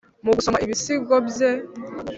mugusoma ibisigo bye